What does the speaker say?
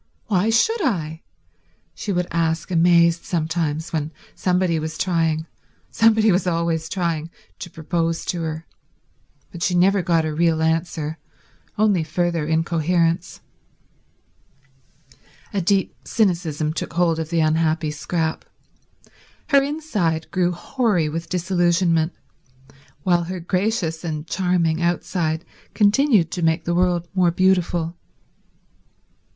Why should I?" she would ask amazed sometimes when somebody was trying—somebody was always trying—to propose to her. But she never got a real answer, only further incoherence. A deep cynicism took hold of the unhappy Scrap. Her inside grew hoary with disillusionment, while her gracious and charming outside continued to make the world more beautiful.